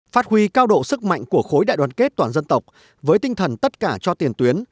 phát huy cao độ sức mạnh của khối đại đoàn kết toàn dân tộc với tinh thần tất cả cho tiền tuyến